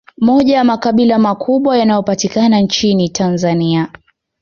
Moja ya makabila makubwa yanayo patikana nchini Tanzania